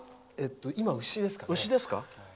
今は牛ですかね。